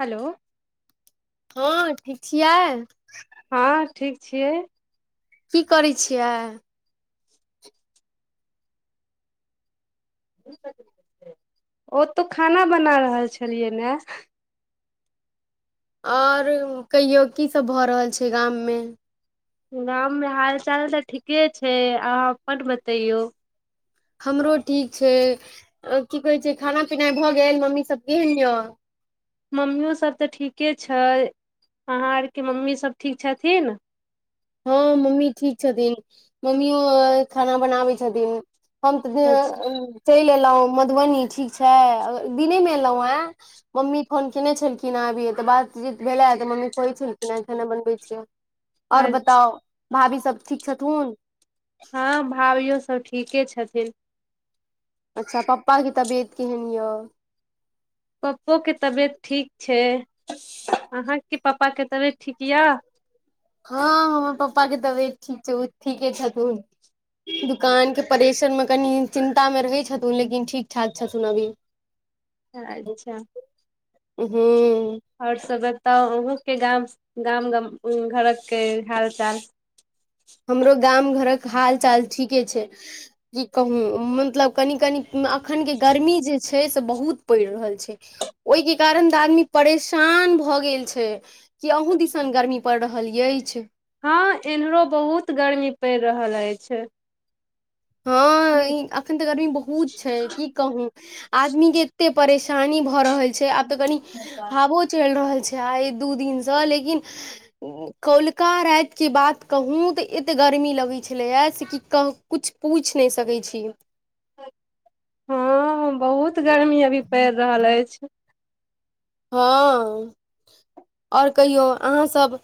Hello. [unintelligible] हां ठीक छियै। [unintelligible] हँ ठीक छियै। [unintelligible] की करै छियै। [unintelligible] [unintelligible] ओ तऽ खाना बना रहल छलियै नै। और कहियो की सब भऽ रहल छै गाममे। [unintelligible] गाममे हाल चाल तऽ ठीके छै, अहाँ अपन बतैयौ। [unintelligible] हमरो ठीक छै अ की कहै छै खाना पीनाय भऽ गेल मम्मी सब केहन य। [unintelligible] मम्मियो सब तऽ ठीके छै, अहाँ आर के मम्मी सब ठीक छथिन। [unintelligible] हां मम्मी ठीक छथिन मम्मीयों खाना बनाबै छथिन। हम तै अच्छा [unintelligible] चैल ऐल। एलौ मधुबनी ठीक छै, ए दिने मे एलौ ऐ, मम्मी फोन केने छलखिन अभीये तऽ बातचीत भेले तऽ मम्मी कहै छलखिन हे खेना बनबै छियौ। अच्छ। [unintelligible] ह, भाभी सब ठीक छथुन। [unintelligible] हां भाभियो सब ठीके छथिन। [unintelligible] अच्छा पप्पाके तबियत केहेन य। [unintelligible] पप्पो के तबियत ठीक छै। [unintelligible] अहाँ के पप्पा के तबियत ठीक यऽ? [unintelligible] हां हमर पप्पा के तबियत ठीक छै, उ ठीके छथुन दुकान के परेशर में कनि चिन्ता मे रहै छथुन लेकिन ठीक ठाक छथुन अभी। अच्छा। [unintelligible] हूँ। [unintelligible] और सब बताव [unintelligible] के गाम से गाम- गम उम्म घरक के हाल चाल। हमरो गाम घरक हाल चाल ठीके छै, की कहू मतलब कनि -कनि। [unintelligible] उम्म अखन के गर्मी जे। छै से बहुत पड़ रहल छै ओय के कारण तऽ आदमी परेशान भऽ गेल छै कि अहूँ दिसन गर्मी पड़ रहल ऐछ। हां एन्हरो बहुत गर्मी पड़ रहल ऐछ। हां इ एखन तऽ गर्मी बहुत छै की कहू आदमी के एते परेश। शानी भ रहल छै आब। त कनी हँ हाबो चैल रहल छै। आय दू दिन से लेकिन उम्म कौलका राएत के बात कहूँ तऽ ऐत गर्मी लगै छलै य से कि कहु कुछ। पूछ नै सकै छी। [inaudible] हां- हां बहुत गर्मी अभी पड़ रहल ऐछ। हां [unintelligible] और कहियौ अहाँ सब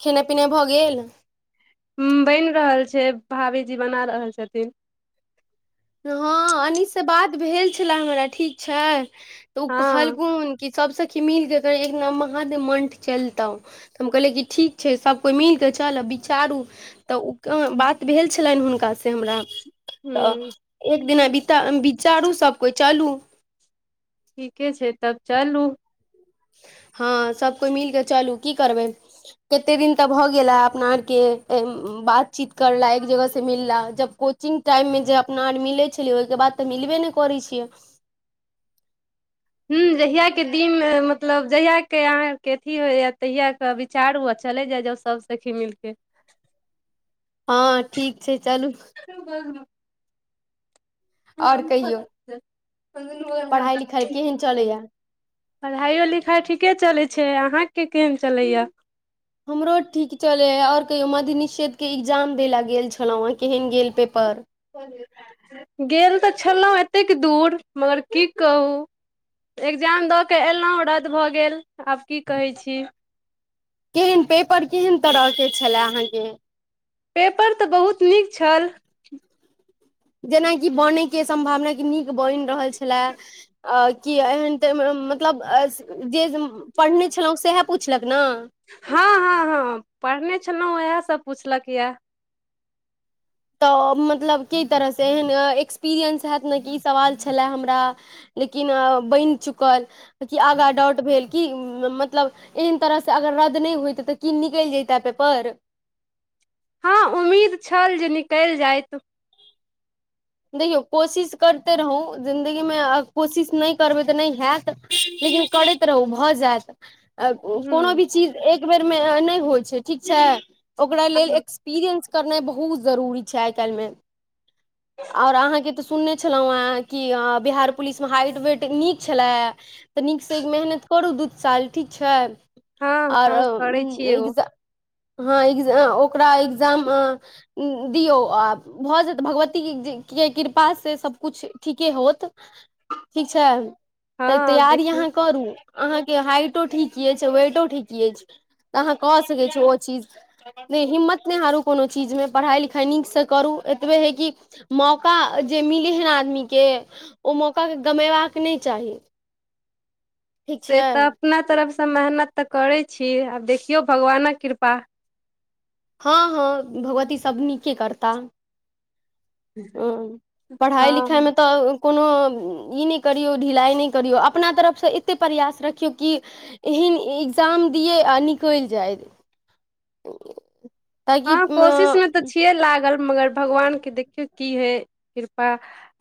खेनाय पिनाय भऽ गेल? [unintelligible] उम्म बैन रहल छै भाभीजी बना रहल छथिन। [unintelligible] हँ अनीस से बात भेल छलै हमरा ठीक छै। त उ हँ कहलखून की। सब सखी मिल के कही एक दिना महादेव मण्ठ चलतौ तऽ हम कहलियै कि ठीक छै सब कोइ मिल कै चलब विचारू तऽ उ क बात भेल छलैन हुनका से हमरा। तऽ। ह [unintelligible] एक दिना बिता विचारू सब कोइ चलू। [unintelligible] ठीके छै तब चलू। [unintelligible] हां सब कोइ मिल के चलू की करबै कते दिन तऽ भऽ गेलै अपना आरके ए उम्म बातचीत करला एक जगह से मिलला जब कोचिंग टाइममे जे अपना आर मिलै छलियै ओय के बाद तऽ मिलबे नै करै छियै। [unintelligible] हुं जहियाके दिन मे मतलब जहियाके अहाँके अथी होय यै तहियाके विचारु अ चले जाय जाउ सब सखी मिल कऽ। [unintelligible] हां ठीक छै। चलू चलु भोरमे। [inaudible] आओर कहियौ पढ़ाइ लिखाइ केहन चलैया पढ़ाइयो लिखाय ठीके चलै छै। से अहाँके केहेन चलै य? हमरो ठीक चलै यै, और कहियो मध्य निषेध के इग्जाम दै ल गेल छलौयै केहेन गेल पेपर? गेल तऽ छलौ एतेक दूर मगर की कहू एग्जाम दऽ कऽ एलौ रद्द भऽ गेल। आब की कहै छी। केहेन पेपर केहन तरहके छलै अहाँके। [unintelligible] पेपर तऽ बहुत नीक छल। जेनाकि बनय के सम्भावना कि नीक बन रहल छलाए, अ कि एहन तऽ म मतलब अ से जे उम्म पढ़ने छलौ सेहे पुछलक। ने हां हां हां पढ़ने छलौ वहे सब पुछलक यऽ? तऽ मतलब की तरह से एहन एक्सपीरियंस हैत ने कि ई सवाल छलय हमरा, लेकिन अ बैन चुकल कि आगाँ डाउट भेल कि उम्म मतलब एहन तरह से अगर रद्द नहि होएत तऽ की निकैल जयतै पेपर। हां, उम्मीद छल जे निकल जायत। देखियौ कोशिश करते रहू जिन्दगीमे आ कोशिश नै करबै तऽ नै हैत लेकिन करैत रहूँ भऽ जायत। आ कोनो ह भी चीज एक एक बेर मे अ नै होइ छै ठीक छै। ओकरा लेल एक्सपीरियंस करनाय बहुत जरूरी छै आइ काएल मे। और अहाँ के तऽ सुनने छलौयै कि बिहार पुलिसमे हाइट वेट नीक छलए। तऽ नीकसँ मेहनत करू दू साल ठीक छै। हँ आर हँ करै उम्म छियै ओ एग्जा हां इग्जा अ अ ओकरा एग्जाम अ दियौ आ भऽ जाएत भगवत ती ज के कृपा से सब कुछ ठीके होत। ठीक छै, तऽ हँ तैयारी देखियौ अहाँ करू। अहाँके हाइटो ठीक ऐछ, वेटो ठीक ऐछ, तऽ अहाँ कऽ सकै छी ओ चीज नै हिम्मत नै हारू कोनो चीजमे पढ़ाइ लिखाइ नीक से करू एतबे हय कि मौका जे मिलै हय नै आदमीके ओ मौकाके गमेबाक नै चाही। ठीक से छै तऽ अपना तरफ से त मेहनत तऽ करै छी आब देखियौ भगवानक कृपा। हां- हां भगवती सब नीके करता। हां पढ़ाई हँ लिखाई मे तऽ कोनो ई नै करियौ ढिलाइ नै करियौ अपना तरफ से एतेक प्रयास रखियौ कि एहन इग्जाम दियै आ निकैल जाय। ताकि हां कोशिश में तऽ छियै लागल। मगर भगवानके देखियौ की हय कृपा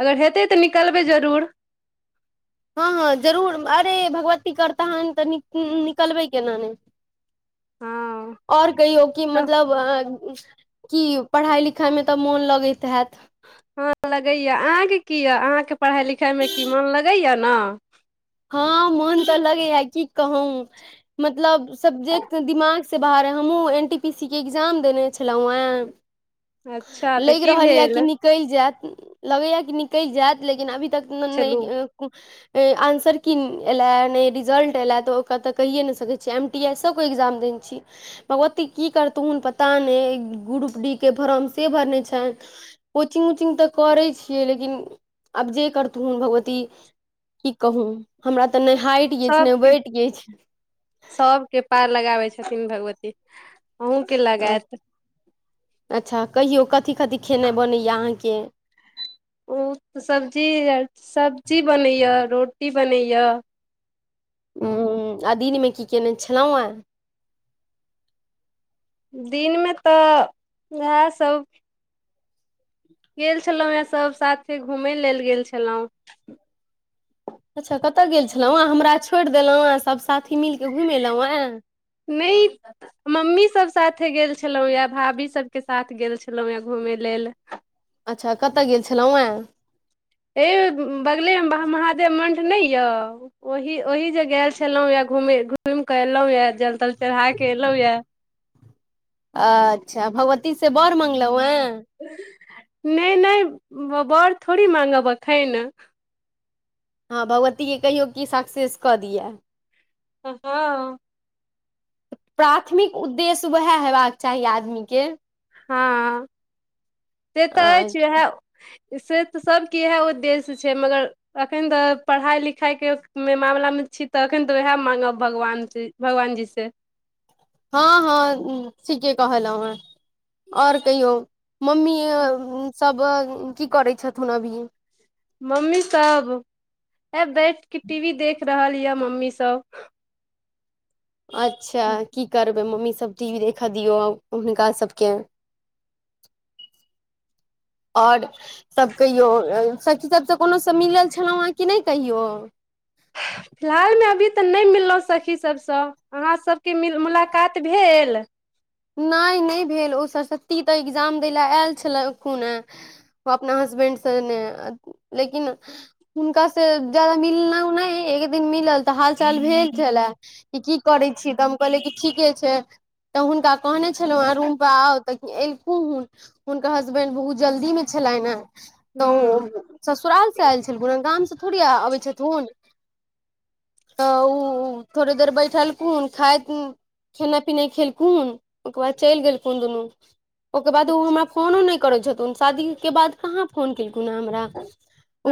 अगर हेतै तऽ निकलबै जरूर। हां -हां जरूर अरे भगवती करताहन तऽ नि उम्म निकलबै केना नै। हँ और कहियौ कि मतलब अ कि पढ़ाई -लिखाइमे तऽ मौन लगैत हैत। हां लगए यै अहाँके की य अहाँके पढ़ाइ लिखाइमे की मोन लगए यै न। हां मोन तऽ लगे यै की कहू मतलब सब्जेक्ट तै दिमाग से बाहर है हमूँ एन टी पी सी के एग्जाम देने छलौ एं, अच्छा तऽ लैग रहल या की भेल निकल जाएत उम्म लगए या कि निकल जाएत लेकिन अभी त नै-नै चलू ए कु ए आन्सर किन ऐलाए नै रिजल्ट ऐलाए तऽ ओकरा तऽ कहिए नै सकै छियै। एम टी एसो के एग्जाम देने छी भगवती की करथुन पता नै ग्रुप डी के फॉरम से भरने छै, कोचिंग उचिंग तऽ करै छियै लेकिन आब जे करथुन भगवती की कहू। हमरा तऽ नै हाइट किछ, नै सभके बैट किछ। छथीन भगवती। अहूँके लगाएत। अच्छा कहियौ कथी-कथी खेनाय बनै या अहाँके। उ सब्जी आर सब्जी बनै या रोटी बनै या। उम्म आ दिनमे की केने छलौ आयं। दिन मे ते उहाए सब गेल छलौ या सब साथे घूमय लेल गेल छलौ। अच्छा कता गेल छलौ ए हमरा छोड़ देलौ ए सब साथी मिल के घुम एलौ एं। नै मम्मी सब‌ साथे गेल छलौ या, भाभी सबके साथ गेल छलौ या घूमय लेल। अच्छा कता गेल छलौ ऐं। ए उम्म बगले मे महा महादेव मण्ठ नै या, ओही-ओही जे गेल छलो या घूमै, घुम कऽ एलौ या, जल-तल चढ़ाए के एलौ या। आच्छा भगवती से बोर मंगलौ ऐं। [unintelligible] नै नै उम्म बोर थोड़ी मांगब अखैन। अहाँ भगवती के कहियौ की सक्सेस कऽ दिया। अ हाँ। प्राथमिक उद्देश्य त उहाए हैबाक चाही आदमी के। हां। से ते एछ हँ उहाए। से ते सबके इहाए उद्देश्य छै मगर अखन तऽ पढ़ाई-लिखाई के मे मामला मे छी तऽ अखेन तऽ उहाए मांगब भगवान से, भगवानजी से। हाँ-हाँ उम्म ठीके कहलौ एं और कहियौ। मम्मी अ उम्म सब अ की करै छथुन अभी। मम्मी सब ए बैठ के टी वी देख रहल या मम्मी सब। अच्छा की करबै मम्मी स तब टी वी देखा दियौ हुनका सबके और तब कहियो अ सखी सबसे कोनो से मिलल छलौ आं की नै कहियो। फिलहाल मे अभी तऽ नै मिललौ सखी सबसँ, अहाँ सबके मिल मुलाकात भेल। नै, नै भेल ओ सरसती तऽ इग्जाम दै ले आएल छलै अखुनै, उ अपना हसबेंड सेने अ लेकिन हुनका से जादा मिललौ नै एक दिन मिलल तऽ हाल-चाल भेल छलै कि की करै छी तऽ हम कहलियै कि ठीके छै तऽ हुनका कहने छलौ एं रूम पर आउ ते एलखू हुन, हुनकर हसबेंड बहुत जल्दी मे छलैन एं। तऽ ह उ ससुराल से आएल छलखुन ए, गाम से थोड़ी आ आबै छथुन। तऽ उ थोड़े देर बैठलखुन खाय उम्म खेनाय पिना खेलखुन। ओकर बाद चैल गेलखुन दुनु। ओकर बाद उ हमरा फोनो नै करै छथुन शादी के बाद कहाँ फोन केल। खुन हमरा [unintelligible]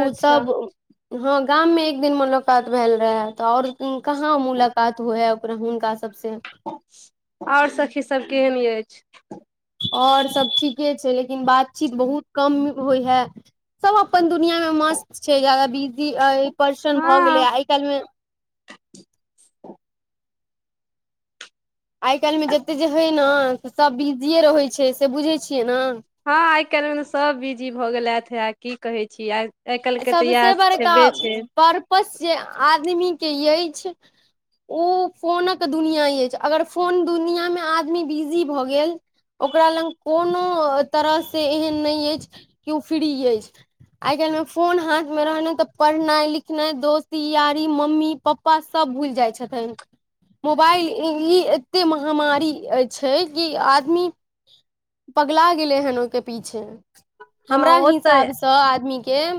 उ अच्छा सब उम्म हां। गाम में एक दिन मुलाकात भेल रहेै तऽ और उम्म कहाँ मुलाकात होय आब। और हुनका से। [unintelligible] और सखी स। सब केहेन ऐछ। [unintelligible] और सब ठीके छै लेकिन बातचीत बहुत कम होइ हय सब अपन। दुनियामे मस्त छै जादा बिजी ए परसन भऽ गेलै हँ आइ काएल मे। आइ काएल मे जते जे हय ने त सभ बिजीए रहै छै से बुझै छियै नै। हां आइ काएल मे सब बिजी भऽ गेलैथ थै। की कहै छी आइ। काल्हिके तऽ इएह सबसे बड़का छेबे छै -परपस जे आदमी। के ऐछ उ फोनक दुनिया ऐछ अगर फोन दुनिया मे आदमी बिजी भ गेल ओकरा लंग कोनो अ तरह से एहेन नै ऐछ की उ फ्री ऐछ आइ काएल मे। फोन हाथ मे रहनाय तऽ पढ़नाय लिखनाय दोस्ती यारी मम्मी पप्पा सब भूल जाए छथिन, मोबाइल ई एते महामारी ए छै कि आदमी पगला गेले हन ओय के पीछे। हँ हमरा ओ तऽ हिसाबसँ आदमी के। के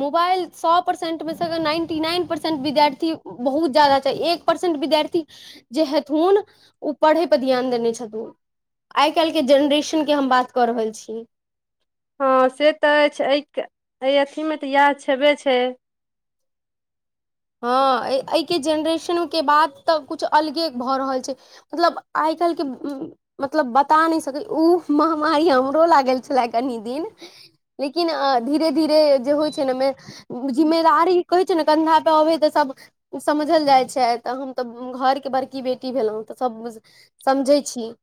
मोबाइल सौ परसेन्टमे से अगर नाइन्टी नाइन परसेन्ट विद्यार्थी बहुत ज्यादा छै एक परसेन्ट विद्यार्थी जे हेथुन उ पढ़ै पर ध्यान देने छथुन, आइ काएल के जेनरेशनके हम बात कऽ रहल छीयै। हां से तऽ ऐछ ए के ए अथी मे तऽ इहे छेबे छै। [unintelligible] हां ए -ए के जेनरेशनके बात तऽ कछु अलगे भऽ रहल छै मतलब आइ काएल के मतलब- बता नै सकै उ महामारी हमरो लागल छलए कनी दिन लेकिन अ धीरे धीरे जे होय छै ने एमे जिम्मेदारी। कहै छै ने कन्धा। अबै तऽ सभ समझल जाइ छै तऽ हम तऽ घरके बड़की बेटी भेलहुँ तऽ सभुझ समझै छी। [unintelligible]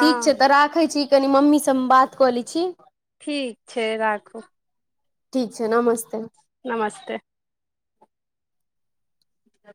ठीक छै तऽ राखै छी। कनि मम्मी से हम बात कऽ लै छी। ठीक छै राखू। ठीक छै नमस्ते। [unintelligible] नमस्ते।